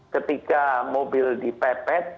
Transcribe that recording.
ketika mobil dipepet